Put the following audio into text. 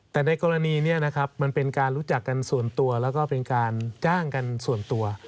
แต่ในกรณีนี้นะครับมันเป็นการรู้จักกันส่วนตัวแล้วก็เป็นการจ้างกันส่วนตัว